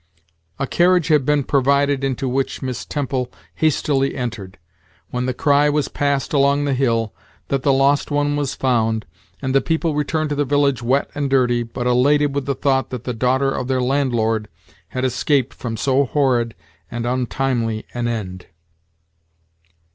A carriage had been provided, into which Miss Temple hastily entered; when the cry was passed along the hill, that the lost one was found, and the people returned to the village wet and dirty, but elated with the thought that the daughter of their landlord had escaped from so horrid and untimely an end.